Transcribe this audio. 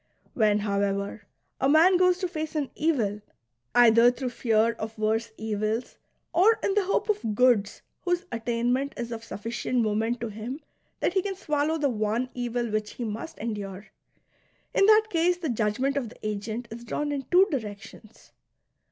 When, however, a man goes to face an evil, either through fear of worse evils or in the hope of goods whose attainment is of suffi cient moment to him that he can swallow the one evil which he must endure, — in that case the judgment of the agent is drawn in two directions.